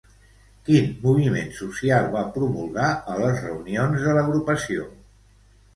Quin moviment social va promulgar a les reunions de l'agrupació?